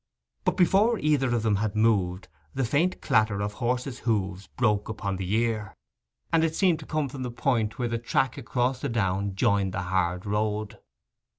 But before either of them had moved, the faint clatter of horses' hoofs broke upon the ear, and it seemed to come from the point where the track across the down joined the hard road.